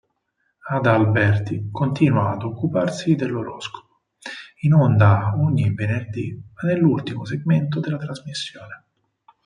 Ada Alberti continua ad occuparsi dell'oroscopo, in onda ogni venerdì nell'ultimo segmento della trasmissione.